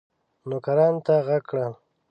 نوکرانو ته ږغ کړل.